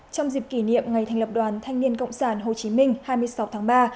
trong dịp kỷ niệm ngày thành lập đoàn thanh niên cộng sản hồ chí minh hai mươi sáu tháng ba